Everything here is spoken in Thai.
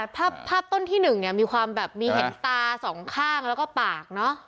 ภาพต้นที่๑เนี่ยมีความแบบมีเห็นตาสองข้างแล้วก็ปากเนอะ